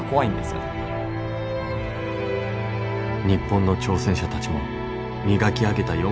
日本の挑戦者たちも磨き上げた